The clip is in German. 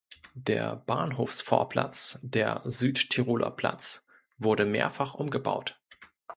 Der Bahnhofsvorplatz, der Südtiroler Platz, wurde mehrfach umgebaut.